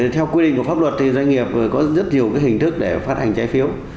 theo quy định của pháp luật thì doanh nghiệp có rất nhiều hình thức để phát hành trái phiếu